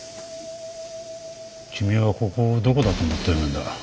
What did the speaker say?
君はここをどこだと思ってるんだ。